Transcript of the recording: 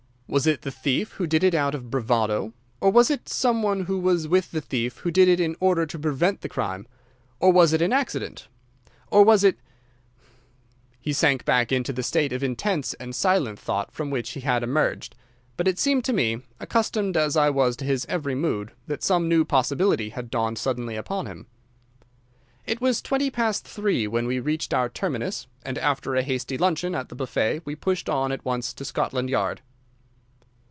Was it the thief who did it out of bravado? Or was it some one who was with the thief who did it in order to prevent the crime? Or was it an accident? Or was it—?" He sank back into the state of intense and silent thought from which he had emerged; but it seemed to me, accustomed as I was to his every mood, that some new possibility had dawned suddenly upon him. It was twenty past three when we reached our terminus, and after a hasty luncheon at the buffet we pushed on at once to Scotland Yard.